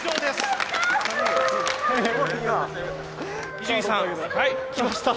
伊集院さんきました。